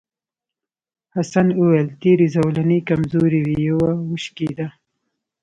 حسن وویل تېرې زولنې کمزورې وې یوه وشکېده.